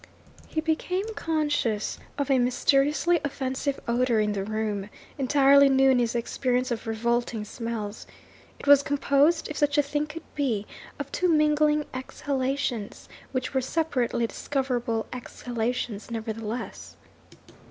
He became conscious of a mysteriously offensive odour in the room, entirely new in his experience of revolting smells. It was composed (if such a thing could be) of two mingling exhalations, which were separately discoverable exhalations nevertheless.